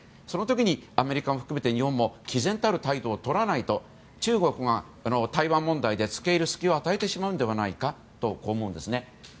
その時にアメリカも含めて日本も毅然たる態度をとらないと中国に台湾問題で付け入る隙を与えてしまうのではないかと思うんですね。